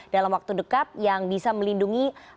dalam waktu dekat yang bisa melindungi